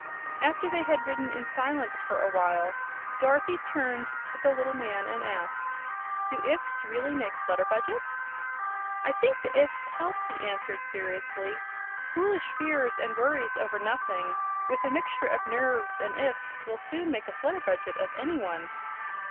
After they had ridden in silence for a while Dorothy turned to the little man and asked: "Do 'ifs' really make Flutterbudgets?" "I think the 'ifs' help," he answered seriously. "Foolish fears, and worries over nothing, with a mixture of nerves and ifs, will soon make a Flutterbudget of any one."